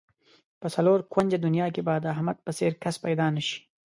په څلور کونجه دنیا کې به د احمد په څېر کس پیدا نشي.